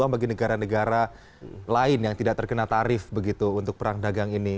bagi negara negara lain yang tidak terkena tarif begitu untuk perang dagang ini